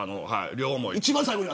両思い。